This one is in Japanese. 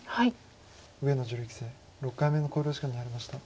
上野女流棋聖６回目の考慮時間に入りました。